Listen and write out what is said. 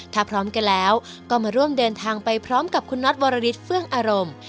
ถ้าพร้อมกันแล้วก็มาร่วมเดินทางไปพร้อมกับคุณน็อตวรริสเฟื่องอารมณ์